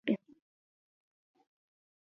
زده کوونکي دې د دې کتاب له وییپانګې معنا پیداکړي.